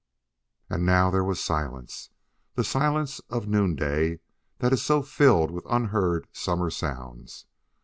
And now there was silence, the silence of noonday that is so filled with unheard summer sounds.